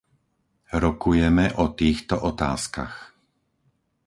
Rokujeme o týchto otázkach.